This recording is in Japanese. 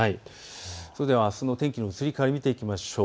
それではあすの天気の移り変わり見ていきましょう。